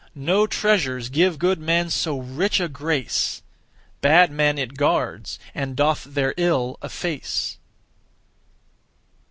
No treasures give good men so rich a grace; Bad men it guards, and doth their ill efface.